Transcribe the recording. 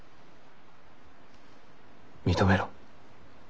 認めろ。